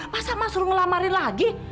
masa mas suruh ngelamarin lagi